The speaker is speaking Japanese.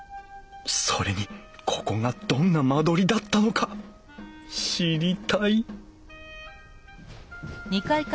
それにここがどんな間取りだったのか知りたい！